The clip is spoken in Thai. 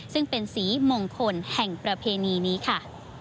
ซึ่งเป็นสีมงคลแห่งประเพณีนี้ค่ะ